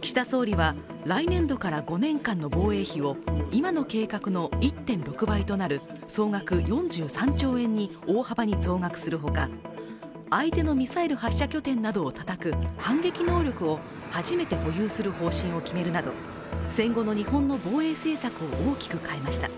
岸田総理は、来年度から５年間の防衛費を今の計画の１．６倍となる総額４３兆円に大幅に増額するほか、相手のミサイル発射拠点などをたたく反撃能力を初めて保有する方針を決めるなど、戦後の日本の防衛政策を大きく変えました。